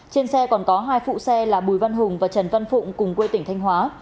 trên xe còn có hai phụ xe là bùi văn hùng và trần văn phụng cùng quê tỉnh thanh hóa